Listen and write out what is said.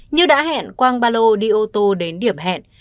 như đã hẹn quang ba lô đi ô tô đến điểm hẹn